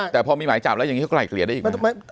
แต่พอมีหมายจับแล้วอย่างนี้เขาไกลเกลี่ยได้อีกไหม